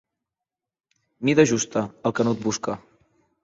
Mida justa, el canut busca.